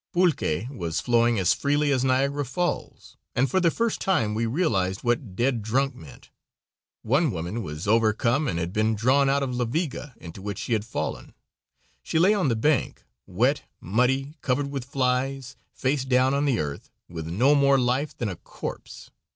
Pulque was flowing as freely as Niagara Falls, and for the first time we realized what "dead drunk" meant. One woman was overcome, and had been drawn out of La Viga into which she had fallen. She lay on the bank, wet, muddy, covered with flies, face down on the earth, with no more life than a corpse.